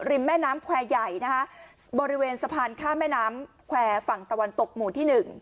แม่น้ำแควร์ใหญ่นะคะบริเวณสะพานข้ามแม่น้ำแควร์ฝั่งตะวันตกหมู่ที่หนึ่ง